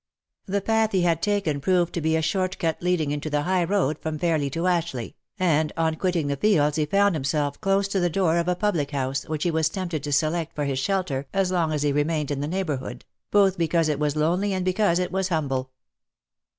The path he had taken proved to be a short cut leading into the high road from Fairly to Ashleigh, and on quitting the fields he found himself close to the door of a public house which he was tempted to select for his shelter as long as he remained in the neighbourhood, both because it was lonely, and because it was humble.